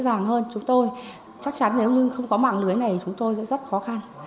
nó dễ dàng hơn chúng tôi chắc chắn nếu như không có mạng lưới này thì chúng tôi sẽ rất khó khăn